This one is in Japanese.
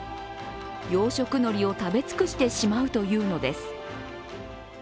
養殖のりを食べ尽くしてしまうというのです。